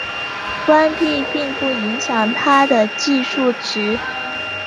关闭并不影响它的计数值。